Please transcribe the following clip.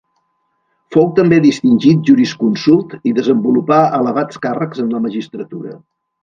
Fou també distingit jurisconsult i desenvolupà elevats càrrecs en la magistratura.